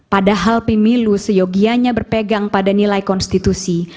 padahal pemilu seyogianya berpegang pada nilai konstitusi